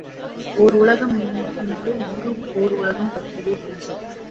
ஒர் உலகம் இன்று எங்கும் ஓர் உலகம் பற்றியே பேச்சு.